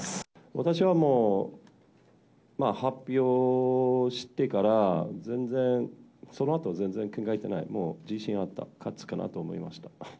私はもう、発表してから全然、そのあと全然考えてない、もう自信あった、勝つかなと思いました。